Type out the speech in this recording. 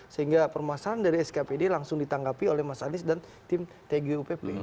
sehingga permasalahan dari skpd langsung ditanggapi oleh mas anies dan tim tgupp